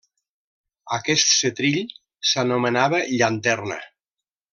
Aquest setrill s’anomenava llanterna.